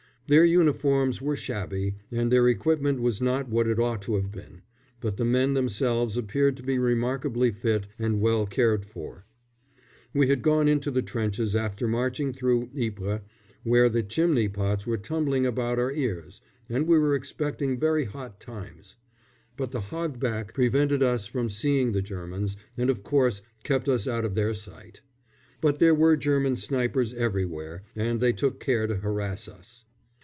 Their uniforms were shabby, and their equipment was not what it ought to have been, but the men themselves appeared to be remarkably fit and well cared for. We had gone into the trenches after marching through Ypres, where the chimney pots were tumbling about our ears, and we were expecting very hot times; but the hogback prevented us from seeing the Germans, and of course kept us out of their sight. But there were German snipers everywhere, and they took good care to harass us.